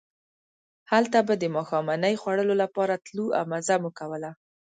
هلته به د ماښامنۍ خوړلو لپاره تلو او مزه مو کوله.